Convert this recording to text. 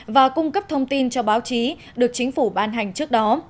và cung cấp thông tin cho báo chí được chính phủ ban hành trước đó